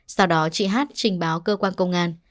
sau đó chị hát trình báo cơ quan công an